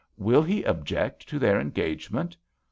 "Will he object to their engagement